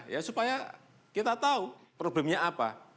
ya supaya kita tahu problemnya apa